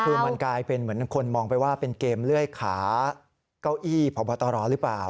คือมันกลายเป็นเหมือนคนมองไปว่าเป็นเกมเลื่อยขาเก้าอี้พบตรหรือเปล่า